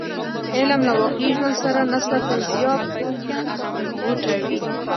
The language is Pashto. علم له واقعي ژوند سره نسبتا زیات غوټه وي.